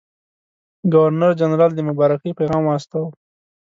ګورنرجنرال د مبارکۍ پیغام واستاوه.